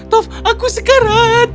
tov aku sekarat